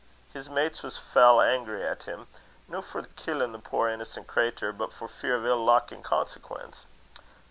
His mates was fell angry at him, no for killin' the puir innocent craytur, but for fear o' ill luck in consequence.